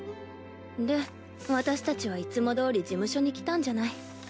で私たちはいつもどおり事務所に来たんじゃない。